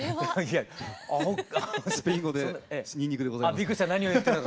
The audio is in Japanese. スペイン語でニンニクでございます。